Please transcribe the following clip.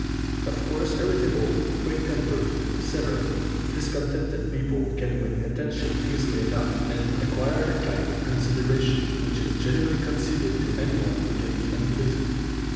Of course irritable, quick tempered, severe, discontented people can win attention easily enough, and acquire the kind of consideration which is generally conceded to anyone who can be unpleasant.